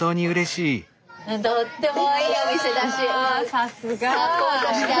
さすが！